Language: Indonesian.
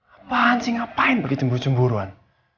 apaan sih ngapain begitu cemburu cemburuan